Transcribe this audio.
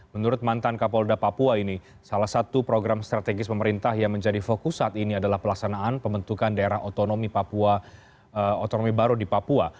menurut mantan kapolda papua ini salah satu program strategis pemerintah yang menjadi fokus saat ini adalah pelaksanaan pembentukan daerah otonomi otonomi baru di papua